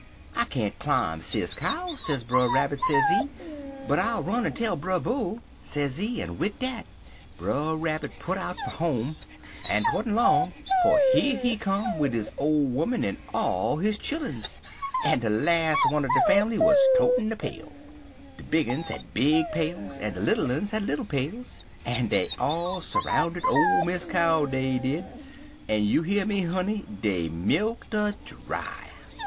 "'I can't clime, Sis Cow,' sez Brer Rabbit, sezee, 'but I'll run'n tell Brer Bull,' sezee; en wid dat Brer Rabbit put out fer home, en 'twan't long 'fo here he come wid his ole 'oman en all his chilluns, en de las' one er de fambly wuz totin' a pail. De big uns had big pails, en de little uns had little pails. En dey all s'roundid ole Miss Cow, dey did, en you hear me, honey, dey milk't 'er dry.